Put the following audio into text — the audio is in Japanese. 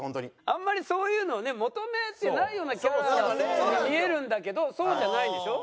あんまりそういうのをね求めてないようなキャラに見えるんだけどそうじゃないんでしょ？